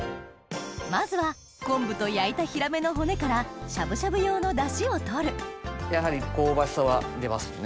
まずは昆布と焼いたヒラメの骨からしゃぶしゃぶ用のダシを取るやはり香ばしさは出ますよね。